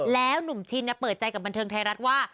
แล้วหนุ่มชินเปิดใจกับบันเทิงไทยรัฐว่า